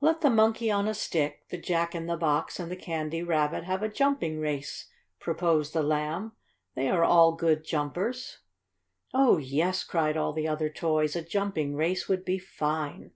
"Let the Monkey on a Stick, the Jack in the Box and the Candy Rabbit have a jumping race!" proposed the Lamb. "They are all good jumpers." "Oh, yes!" cried all the other toys. "A jumping race would be fine!"